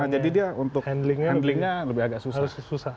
jadi dia untuk handlingnya agak susah